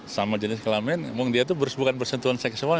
sama jenis kelamin emang dia itu bukan bersentuhan seksual